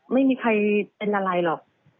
ไม่มีใครเป็นอะไรหรอก